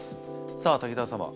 さあ滝沢様